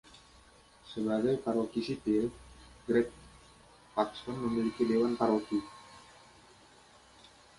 Sebagai paroki sipil, Great Paxton memiliki dewan paroki.